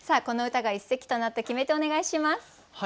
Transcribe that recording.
この歌が一席となった決め手をお願いします。